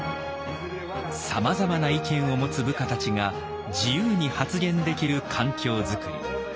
さまざまな意見を持つ部下たちが自由に発言できる環境作り。